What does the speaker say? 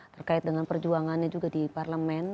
terkait dengan perjuangannya juga di parlemen